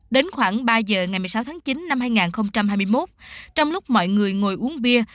đến khoảng ba giờ ngày một mươi sáu tháng chín năm hai nghìn hai mươi một trong lúc mọi người ngồi uống bia